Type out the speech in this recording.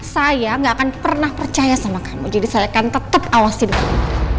saya gak akan pernah percaya sama kamu jadi saya akan tetep awasi dirimu